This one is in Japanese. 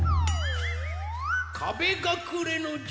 かべがくれのじゅつ。